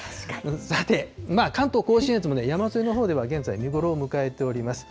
さて、関東甲信越もね、山沿いのほうでは現在、見頃を迎えております。